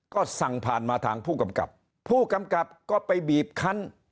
ก็สั่งผ่านมาทางผู้กำกับผู้กำกับก็ไปบีบคัน